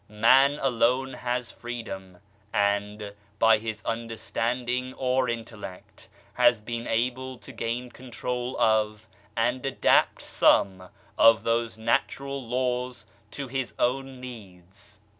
Man alone has freedom, and, by his understanding or intellect, has been able to gain control of and adapt some of those natural Laws to his own needs.